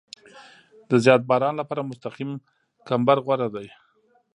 د زیات باران لپاره مستقیم کمبر غوره دی